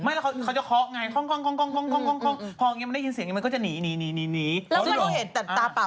ไม่เหมือนเขาวิ่งไล่สากลงนี้เลยปะ